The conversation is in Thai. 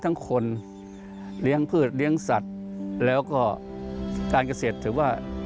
คนเลี้ยงพืชเลี้ยงสัตว์แล้วก็การเกษตรถือว่า